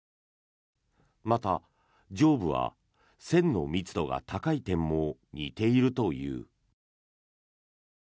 また、上部は線の密度が高い点も似ているという。